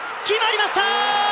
決まりました！